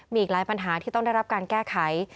มีอีกหลายปัญหาที่ต้องได้รับการแก้ไข